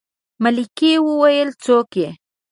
ملکې وويلې څوک يې.